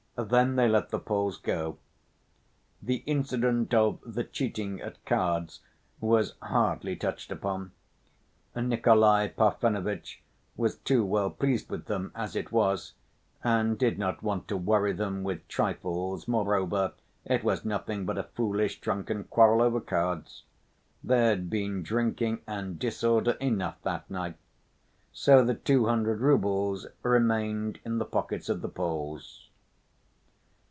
Then they let the Poles go. The incident of the cheating at cards was hardly touched upon. Nikolay Parfenovitch was too well pleased with them, as it was, and did not want to worry them with trifles, moreover, it was nothing but a foolish, drunken quarrel over cards. There had been drinking and disorder enough, that night.... So the two hundred roubles remained in the pockets of the Poles.